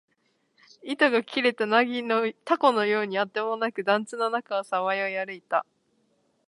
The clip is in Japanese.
糸が切れた凧のようにあてもなく、団地の中をさまよい歩いた